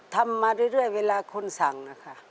ทำมาเรื่อยเวลาคนสั่งนะคะ